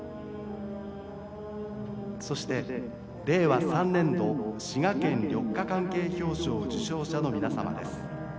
「そして令和３年度滋賀県緑化関係表彰受賞者の皆様です。